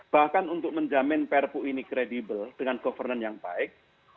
bahkan untuk menjamin perpu ini kredibel dengan governance yang baik